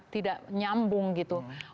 tidak nyambung gitu